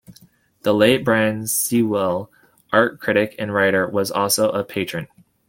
The late Brian Sewell, art critic and writer, was also a patron.